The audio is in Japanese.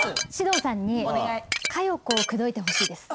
獅童さんに佳代子を口説いてほしいです。